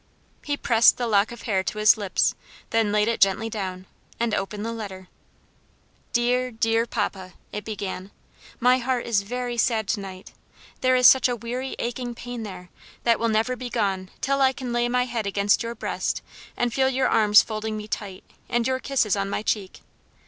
He pressed the lock of hair to his lips, then laid it gently down, and opened the letter. "Dear, dear papa," it began, "my heart is very sad to night! There is such a weary, aching pain there, that will never be gone till I can lay my head against your breast, and feel your arms folding me tight, and your kisses on my cheek.